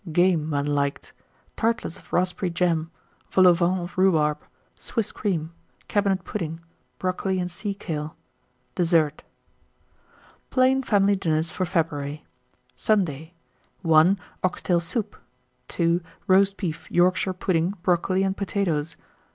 Game, when liked. Tartlets of Raspberry Jam. Vol au Vent of Rhubarb. Swiss Cream. Cabinet Pudding. Brocoli and Sea kale. DESSERT. PLAIN FAMILY DINNERS FOR FEBRUARY. 1917. Sunday. 1. Ox tail soup. 2 Roast beef, Yorkshire pudding, brocoli, and potatoes. 3.